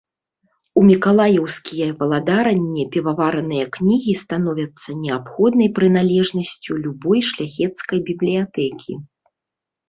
У мікалаеўскія валадаранне павараныя кнігі становяцца неабходнай прыналежнасцю любой шляхецкай бібліятэкі.